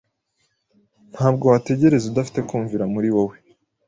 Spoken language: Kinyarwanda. Ntabwo wategereza udafite kumvira muri wowe